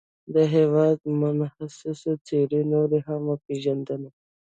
د هېواد منحوسي څېرې نورې هم وپېژني.